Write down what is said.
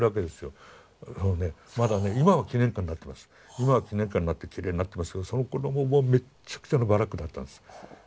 今は記念館になってきれいになってますけどそのころはもうめっちゃくちゃなバラックだったんです。